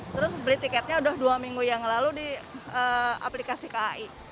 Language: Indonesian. terus beli tiketnya udah dua minggu yang lalu di aplikasi kai